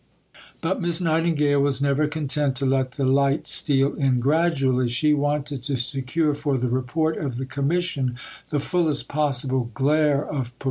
But Miss Nightingale was never content to let the light steal in gradually; she wanted to secure for the Report of the Commission the fullest possible glare of publicity.